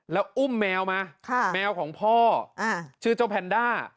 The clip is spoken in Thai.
แล้วอุ้มแมวมาแมวของพ่อชื่อเจ้าแพนด้า